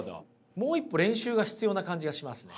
もう一歩練習が必要な感じがしますね。